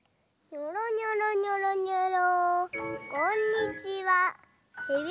にょろにょろにょろにょろ。